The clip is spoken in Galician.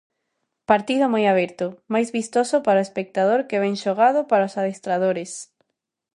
Partido moi aberto, máis vistoso para o espectador que ben xogado para os adestradores.